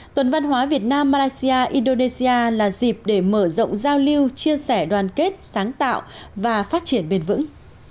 tuần văn hóa việt nam malaysia indonesia là dịp để mở rộng giao lưu chia sẻ đoàn kết sáng tạo và phát triển bền vững